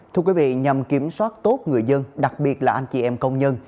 thưa quý vị nhằm kiểm soát tốt người dân đặc biệt là anh chị em công nhân